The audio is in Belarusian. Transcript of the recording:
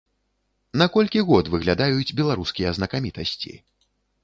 На колькі год выглядаюць беларускія знакамітасці?